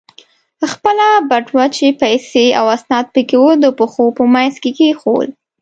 خپله بټوه چې پیسې او اسناد پکې و، د پښو په منځ کې کېښوول.